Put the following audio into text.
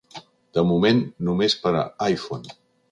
De moment només per a iPhone.